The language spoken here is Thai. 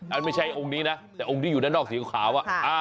ไม่ใช่องค์นี้นะแต่องค์ที่อยู่ด้านนอกสีขาว